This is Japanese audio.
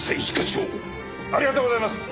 ありがとうございます！